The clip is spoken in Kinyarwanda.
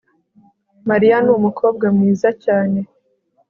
mariya ni umukobwa mwiza cyane